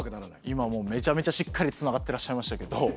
今もうめちゃめちゃしっかりつながってらっしゃいましたけど。